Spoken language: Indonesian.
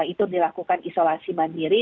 itu dilakukan isolasi mandiri